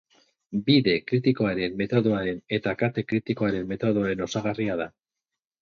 Bide Kritikoaren Metodoaren eta Kate Kritikoaren Metodoaren osagarria da.